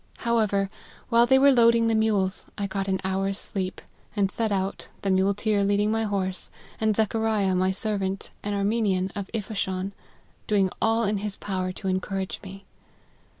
However, while they were loading the mules I got an hour's sleep, and set out, the mule teer leading my horse, and Zachariah, my servant, an Armenian, of Isfahan,, doing all in his power to encourage me.